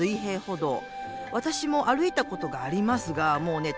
私も歩いたことがありますがもうね